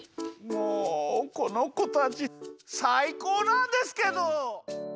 もうこのこたちさいこうなんですけど！